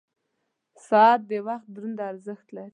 • ساعت د وخت دروند ارزښت لري.